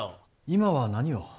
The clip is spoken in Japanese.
今は何を？